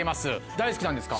大好きなんですか？